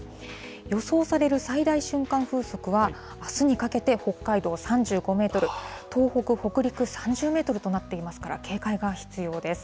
予想される最大瞬間風速は、あすにかけて北海道３５メートル、東北、北陸３０メートルとなっていますから、警戒が必要です。